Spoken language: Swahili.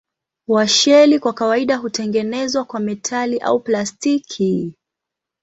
Washeli kwa kawaida hutengenezwa kwa metali au plastiki.